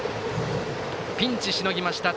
ピンチしのぎました、辻。